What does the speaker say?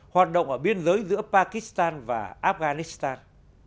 hoạt động ở biên giới giữa pakistan và afghanistan